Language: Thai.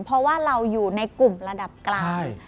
เพราะว่าเราอยู่ในกลุ่มระดับกลาง